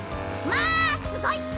まあすごい！